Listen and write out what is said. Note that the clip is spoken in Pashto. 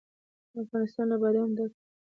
افغانستان له بادام ډک دی.